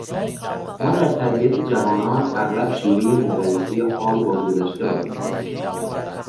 ما در تربیت جوانان اغلب شیوهٔ مقایسهٔ حال با گذشته را بکار میبریم.